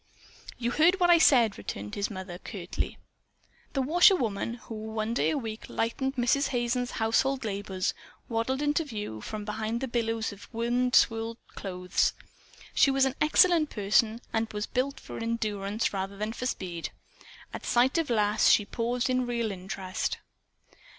"You heard what I said," returned his mother curtly. The washerwoman, who one day a week lightened Mrs. Hazen's household labors, waddled into view from behind the billows of wind swirled clothes. She was an excellent person, and was built for endurance rather than for speed. At sight of Lass she paused in real interest.